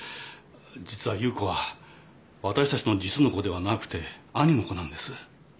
実は夕子はわたしたちの実の子ではなくて兄の子なんです。